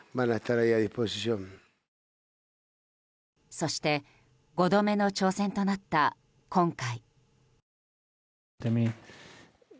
そして５度目の挑戦となった今回。